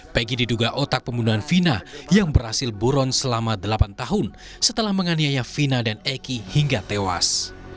pegi diduga otak pembunuhan vina yang berhasil buron selama delapan tahun setelah menganiaya vina dan eki hingga tewas